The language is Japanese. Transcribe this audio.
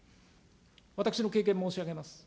私の経験申し上げます。